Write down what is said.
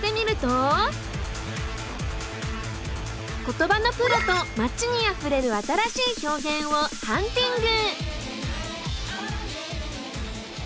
言葉のプロと街にあふれる新しい表現をハンティング！